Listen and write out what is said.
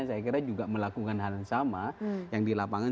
saya kira juga melakukan hal yang sama yang di lapangan